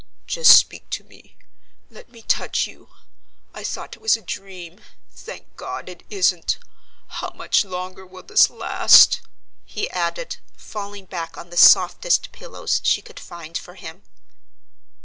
"Just speak to me; let me touch you: I thought it was a dream; thank God it isn't. How much longer will this last?" he added, falling back on the softest pillows she could find for him.